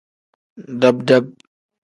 Dab-dab.